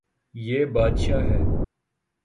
یے بدشاہ ہے